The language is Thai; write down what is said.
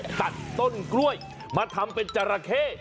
ตัดต้นกล้วยมาทำเป็นจราเข้